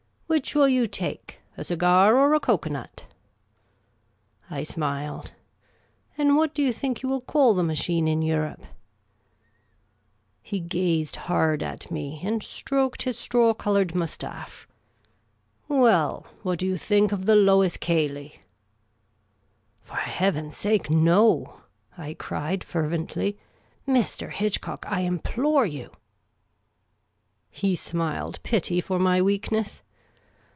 Which will you take, a cigar or a cocoa nut ?" I smiled. " And what do you think you will call the machine in Europe ?" The Amateur Commission Agent 91 He gazed hard at me, and stroked his straw colonred moustache. "Well, what do j'ou think of the /.cy/s Cay Icyf' " For Heaven's sake, no !" I cried, fervently. " Mr. Hitchcock, I implore you !" He smiled pity for my weakness.